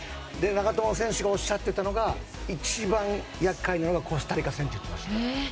長友選手がおっしゃってたのが一番厄介なのがコスタリカ戦って言ってました。